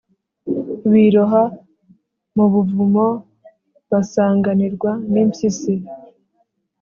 , biroha mu buvumo, basanganirwa n’impyisi.